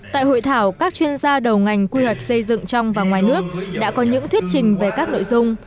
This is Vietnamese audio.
tại hội thảo các chuyên gia đầu ngành quy hoạch xây dựng trong và ngoài nước đã có những thuyết trình về các nội dung